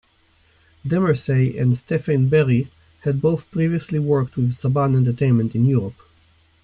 Demersay and Stephane Berry had both previously worked with Saban entertainment in Europe.